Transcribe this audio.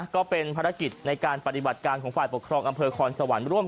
ก็เป็นภารกิจในการปฏิบัติการของฝ่ายปกครองอำเภอคอนสวรรค์ร่วม